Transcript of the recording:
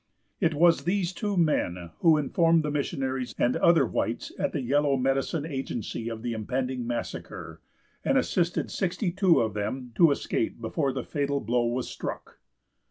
It was these two men who informed the missionaries and other whites at the Yellow Medicine Agency of the impending massacre, and assisted sixty two of them to escape before the fatal blow was struck.